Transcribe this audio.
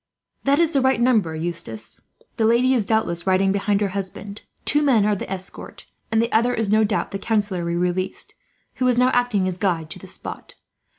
"That is the right number, Eustace. The lady is doubtless riding behind her husband. Two men are the escort, and the other is, no doubt, the councillor we released, who is now acting as guide to this spot.